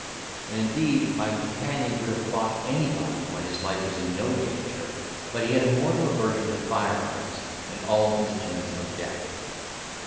And, indeed, my companion would have fought anybody when his life was in no danger; but he had a mortal aversion to fire arms and all instruments of death.